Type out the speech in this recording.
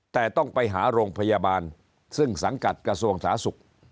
แต่ต้องไปหาโรงพยาบาลซึ่งสังกัดกระทรวงสาธารณสุข